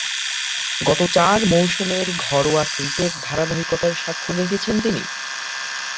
গত চার মৌসুমের ঘরোয়া ক্রিকেটে ধারাবাহিকতার স্বাক্ষর রেখেছেন তিনি।